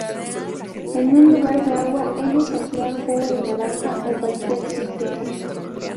En lugar de agua, ellos emplean jugo de naranja o de cualquier cítrico.